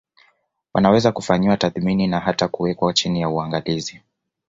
Wanaweza kufanyiwa tathmini na hata kuwekwa chini ya uangalizi